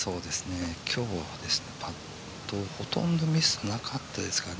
今日は、パットほとんどミスなかったですからね。